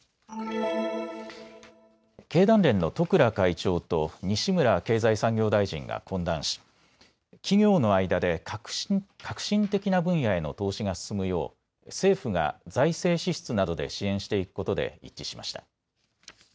経団連の十倉会長と西村経済産業大臣が懇談し、企業の間で革新的な分野への投資が進むよう政府が財政支出などで支援していくことで一致しました。